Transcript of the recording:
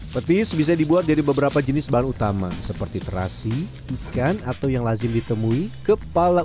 petis bisa dibuat dari beberapa jenis bahan utama seperti terasi ikan atau yang lazim ditemui kepala